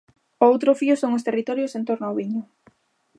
O outro fío son os territorios en torno ao viño.